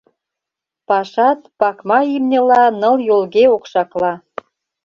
Пашат пакма имньыла ныл йолге окшакла.